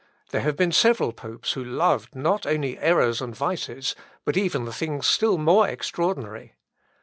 There have been several popes who loved not only errors and vices, but even things still more extraordinary.